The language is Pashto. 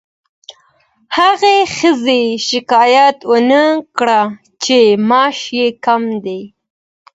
هغې ښځې شکایت ونه کړ چې معاش یې کم دی.